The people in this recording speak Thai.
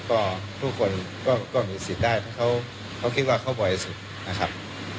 ก็ทุกคนก็มีสิทธิ์ได้ถ้าเขาคิดว่าเขาบ่อยสุดนะครับ